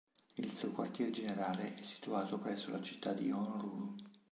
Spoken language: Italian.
Il suo quartier generale è situato presso la citta di Honolulu.